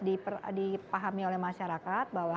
dipahami oleh masyarakat bahwa